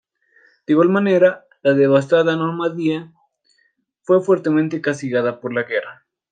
De igual manera, la devastada Normandía fue fuertemente castigada por la guerra.